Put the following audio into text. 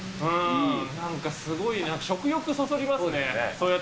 なんかすごい食欲そそります